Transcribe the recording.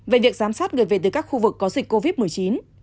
về việc giám sát người về từ các khu vực có dịch covid một mươi chín